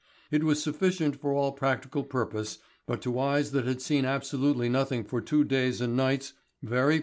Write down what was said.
It was sufficient for all practical purpose, but to eyes that had seen absolutely nothing for two days and nights very painful.